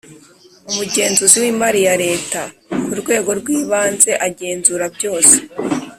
Umugenzuzi w’imari ya Leta ku rwego rw’ibanze agenzura byose